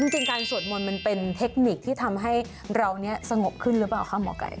จริงการสวดมนต์มันเป็นเทคนิคที่ทำให้เรานี้สงบขึ้นหรือเปล่าคะหมอไก่